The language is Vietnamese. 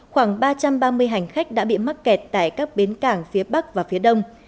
khoảng ba trăm ba mươi hành khách đã bị mắc kẹt tại các bến cảng phía bắc và phía đông